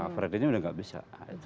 kreditnya udah gak bisa